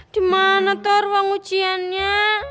dimana tuh ruang ujiannya